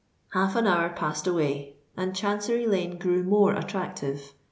Half an hour passed away; and Chancery Lane grew more attractive.